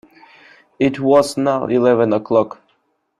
It was now eleven o'clock.